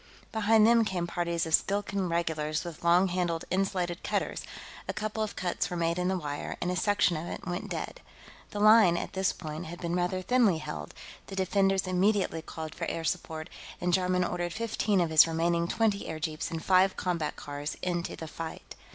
Behind them came parties of Skilkan regulars with long handled insulated cutters; a couple of cuts were made in the wire, and a section of it went dead. The line, at this point, had been rather thinly held; the defenders immediately called for air support, and Jarman ordered fifteen of his remaining twenty airjeeps and five combat cars into the fight.